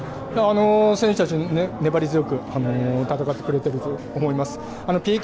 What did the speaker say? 選手たちが粘り強く戦ってくれていると思います。